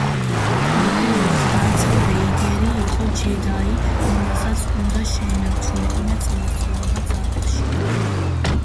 თავდაპირველად დართ ვეიდერი იყო ჯედაი, რომელსაც უნდა შეენარჩუნებინა წონასწორობა ძალაში.